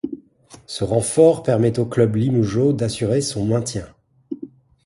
Ce renfort permet au club limougeaud d'assurer son maintien.